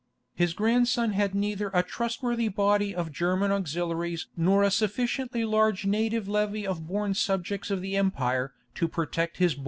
His grandson had neither a trustworthy body of German auxiliaries nor a sufficiently large native levy of born subjects of the empire to protect his borders.